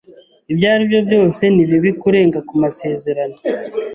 Ibyo ari byo byose, ni bibi kurenga ku masezerano.